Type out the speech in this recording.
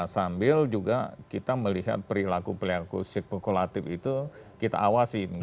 sambil juga kita melihat perilaku perilaku spekulatif itu kita awasin